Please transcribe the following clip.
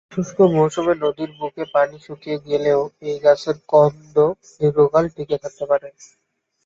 শুষ্ক মৌসুমে নদীর বুকে পানি শুকিয়ে গেলেও এই গাছের কন্দ দীর্ঘকাল টিকে থাকতে পারে।